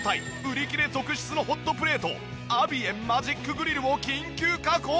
売り切れ続出のホットプレートアビエンマジックグリルを緊急確保！